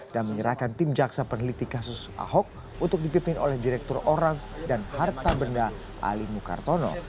dan menyerahkan tim jaksa peneliti kasus ahok untuk dipimpin oleh direktur orang dan harta benda ali mukartono